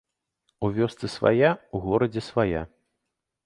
У вёсцы свая, у горадзе свая.